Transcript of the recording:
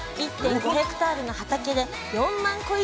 １．５ヘクタールの畑で４万個以上の春